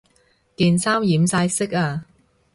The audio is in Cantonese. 件衫染晒色呀